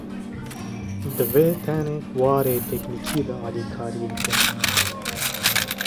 Divê tenê di warê teknîkî de alîkarî bike